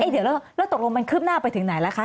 เดี๋ยวแล้วตกลงมันคืบหน้าไปถึงไหนล่ะคะ